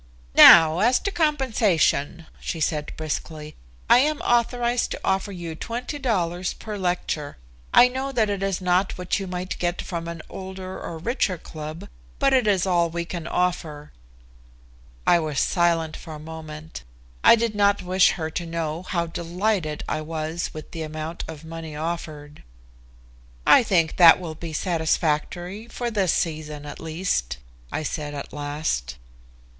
"Now as to compensation," she said briskly. "I am authorized to offer you $20 per lecture. I know that it is not what you might get from an older or richer club, but it is all we can offer." I was silent for a moment. I did not wish her to know how delighted I was with the amount of money offered. "I think that will be satisfactory for this season, at least," I said at last.